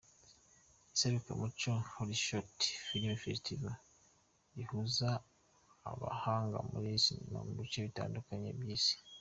Iserukiramuco HollyShorts Film Festival rihuza abahanga muri sinema mu bice bitandukanye by’Isi.